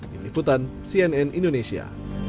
dibiputan cnn indonesia